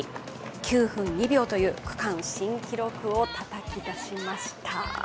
９分２秒という区間新記録をたたき出しました。